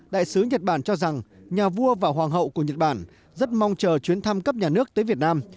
đại sứ nhật bản cho rằng nhà vua và hoàng hậu của nhật bản rất mong chờ chuyến thăm cấp nhà nước tới việt nam